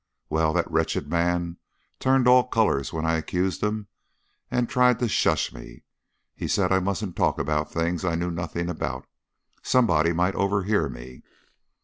Well, that wretched man turned all colors when I accused him, and tried to 'shush' me. He said I mustn't talk about things I knew nothing about somebody might overhear me.